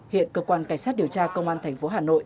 hiện cơ quan cảnh sát điều tra công an thành phố hà nội